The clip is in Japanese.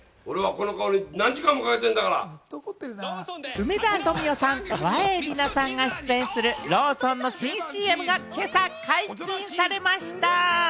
梅沢富美男さん、川栄李奈さんが出演するローソンの新ＣＭが今朝、解禁されました。